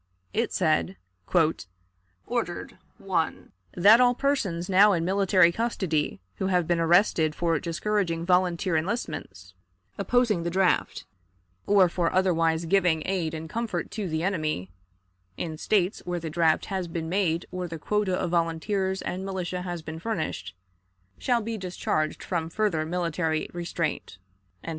It said: "Ordered 1. That all persons now in military custody, who have been arrested for discouraging volunteer enlistments, opposing the draft, or for otherwise giving aid and comfort to the enemy, in States where the draft has been made or the quota of volunteers and militia has been furnished, shall be discharged from further military restraint."